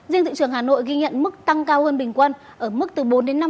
riêng thị trường hà nội ghi nhận mức tăng cao hơn bình quân ở mức từ bốn năm